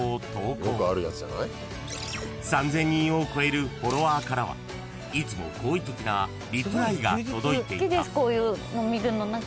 ［３，０００人を超えるフォロワーからはいつも好意的なリプライが届いていた］